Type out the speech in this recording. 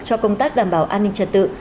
cho công tác đảm bảo an ninh trật tự